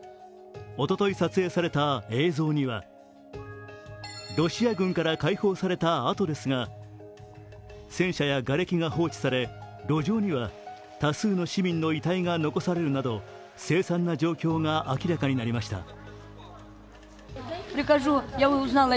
おととい撮影された映像にはロシア軍から解放されたあとですが戦車やがれきが放置され、路上には多数の市民の遺体が残されるなど凄惨な状況が明らかになりました。